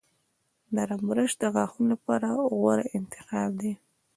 نرم برش د غاښونو لپاره غوره انتخاب دی.